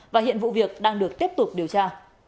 và hiện vụ việc đang được tiếp tục điều tra